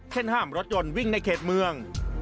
ห้ามรถยนต์วิ่งในเขตเมือง